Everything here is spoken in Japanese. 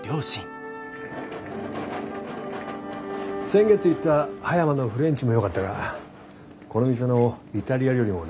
先月行った葉山のフレンチもよかったがこの店のイタリア料理もなかなかだね。